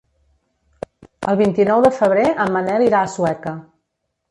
El vint-i-nou de febrer en Manel irà a Sueca.